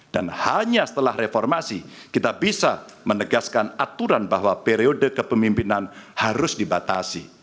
dan hanya setelah reformasi kita bisa menegaskan aturan bahwa periode kepemimpinan harus dibatasi